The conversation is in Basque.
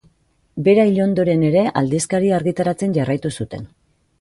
Bera hil ondoren ere aldizkaria argitaratzen jarraitu zuten.